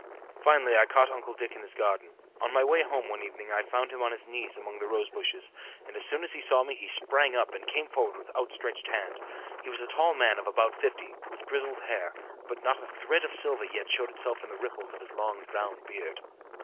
Finally I caught Uncle Dick in his garden. On my way home one evening I found him on his knees among the rosebushes, and as soon as he saw me he sprang up and came forward with outstretched hand. He was a tall man of about fifty, with grizzled hair, but not a thread of silver yet showed itself in the ripples of his long brown beard.